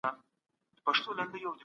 خیرات او صدقات د ټولني د سمون لپاره دي.